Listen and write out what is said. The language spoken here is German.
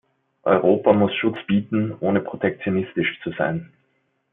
Europa muss Schutz bieten, ohne protektionistisch zu sein.